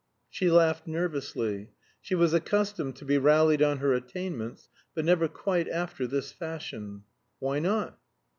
She laughed nervously. She was accustomed to be rallied on her attainments, but never quite after this fashion. "Why not?"